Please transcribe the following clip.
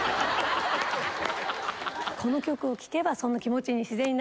この曲を聴けばその気持ちに自然になります。